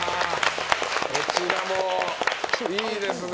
どちらもいいですね。